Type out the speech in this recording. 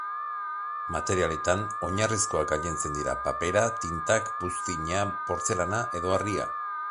Materialetan oinarrizkoak gailentzen dira: papera, tintak, buztina, portzelana edo harria.